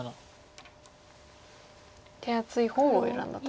手厚い方を選んだと。